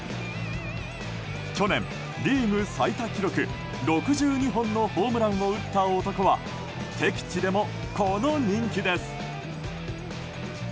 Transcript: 去年、リーグ最多記録６２本のホームランを打った男は敵地でもこの人気です。